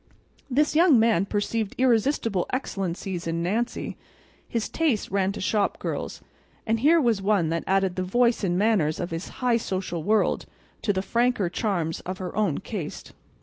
This young man perceived irresistible excellencies in Nancy. His taste ran to shop girls; and here was one that added the voice and manners of his high social world to the franker charms of her own caste.